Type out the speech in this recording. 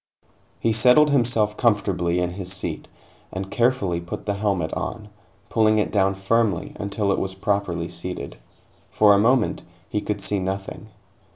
He settled himself comfortably in his seat, and carefully put the helmet on, pulling it down firmly until it was properly seated. For a moment, he could see nothing.